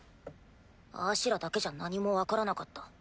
あしらだけじゃ何も分からなかった。